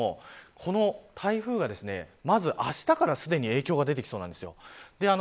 この台風は、まずあしたからすでに影響が出てきそうなんです。